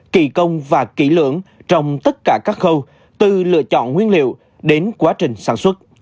kỳ công và kỹ lưỡng trong tất cả các khâu từ lựa chọn nguyên liệu đến quá trình sản xuất